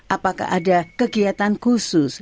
apakah ada kegiatan khusus